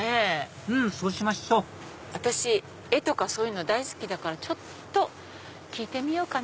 うんそうしましょ私絵とか大好きだからちょっと聞いてみようかな。